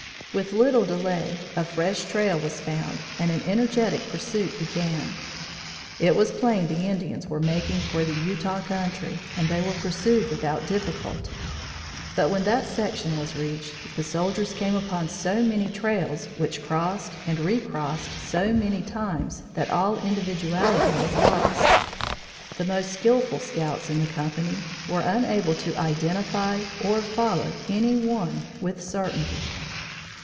With little delay, a fresh trail was found and an energetic pursuit began. It was plain the Indians were making for the Utah country, and they were pursued without difficulty; but, when that section was reached, the soldiers came upon so many trails, which crossed and recrossed so many times that all individuality was lost. The most skilful scouts in the company were unable to identify or follow any one with certainty.